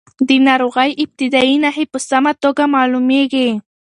د ناروغۍ ابتدايي نښې په سمه توګه معلومېږي.